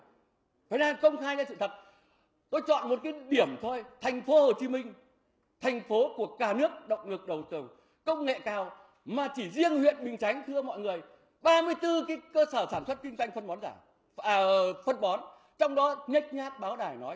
phải nên công khai ngay sự thật tôi chọn một cái điểm thôi thành phố hồ chí minh thành phố của cả nước động lực đầu tư công nghệ cao mà chỉ riêng huyện bình chánh thưa mọi người ba mươi bốn cái cơ sở sản xuất kinh doanh phân bón giả phân bón trong đó nhách nhát báo đài nói